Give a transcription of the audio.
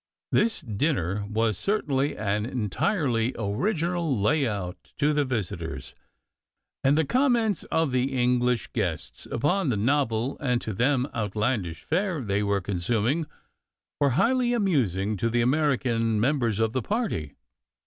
This dinner was certainly an entirely original lay out to the visitors, and the comments of the English guests upon the novel and to them outlandish fare they were consuming were highly amusing to the American members of the party.